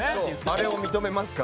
あれを認めますか？